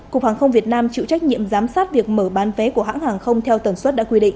cục hàng không việt nam chịu trách nhiệm giám sát việc mở bán vé của hãng hàng không theo tần suất đã quy định